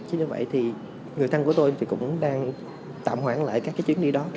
chứ như vậy thì người thân của tôi thì cũng đang tạm hoãn lại các cái chuyến đi đó